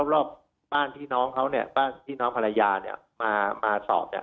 รอบบ้านพี่น้องเขาบ้านพี่น้องภรรยามาสอบ